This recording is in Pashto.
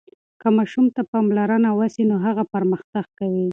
که ماشوم ته پاملرنه وسي نو هغه پرمختګ کوي.